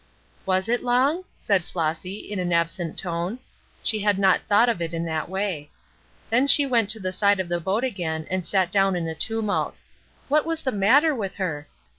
"Was it long?" said Flossy, in an absent tone. She had not thought of it in that way. Then she went to the side of the boat again and sat down in a tumult. What was the matter with her?